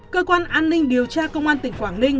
cơ quan an ninh điều tra công an tỉnh quảng ninh